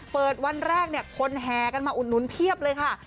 เปิดวันแรกคนแฮกันมาอุดนุ้นเพียบเลยค่ะ